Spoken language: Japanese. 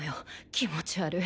気持ち悪い